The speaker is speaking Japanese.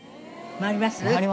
回ります。